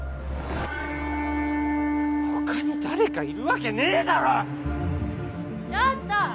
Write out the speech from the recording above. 他に誰かいるわけねえだろっちょっと！